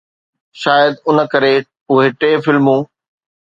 شايد ان ڪري اهي ٽي فلمون